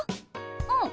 うん。